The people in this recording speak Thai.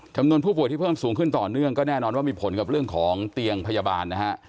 จำนวนผู้ป่วยที่เพิ่มสูงขึ้นต่อเนื่องก็แน่นอนว่ามีผลกับเรื่องของเตียงพยาบาลนะฮะ